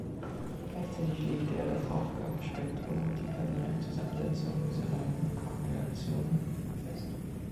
Gleichzeitig legte er das Aufgabenspektrum und die personellen Zusammensetzungen dieser neuen Kongregationen fest.